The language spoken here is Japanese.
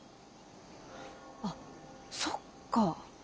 あそっか。